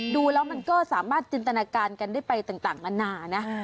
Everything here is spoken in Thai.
ดูแล้วมันก็สามารถจินตนาการกันได้ไปต่างนานานะ